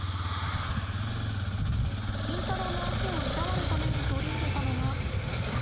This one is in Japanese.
キンタロウの足をいたわるために取り入れたのがこちら。